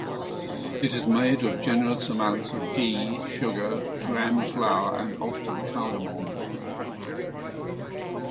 It is made of generous amounts of ghee, sugar, gram flour, and often cardamom.